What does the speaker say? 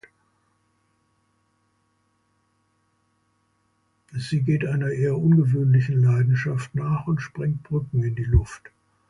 Sie geht einer eher ungewöhnlichen Leidenschaft nach und sprengt Brücken in die Luft.